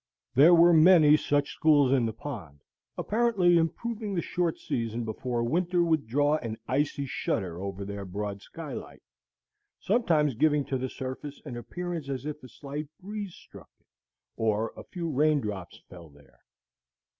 There were many such schools in the pond, apparently improving the short season before winter would draw an icy shutter over their broad skylight, sometimes giving to the surface an appearance as if a slight breeze struck it, or a few rain drops fell there.